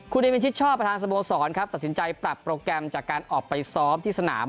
คุณเอมินชิดชอบประธานสโมสรครับตัดสินใจปรับโปรแกรมจากการออกไปซ้อมที่สนาม